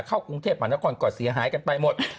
เข้ากรุงเทพฯหวันก่อนก่อนเสียหายกันไปหมด